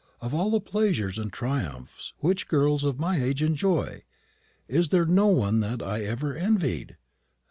"Of all the pleasures and triumphs which girls of my age enjoy, is there one that I ever envied?